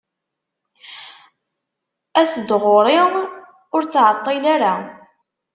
as-d ɣur-i, ur ttɛeṭṭil ara.